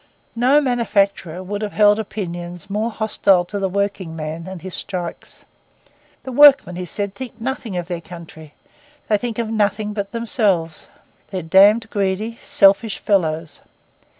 No manufacturer could have held opinions more hostile to the working man and his strikes. 'The workmen,' he said, 'think nothing of their country. They think of nothing but themselves. They're damned greedy, selfish fellows.